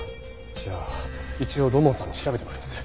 じゃあ一応土門さんに調べてもらいます。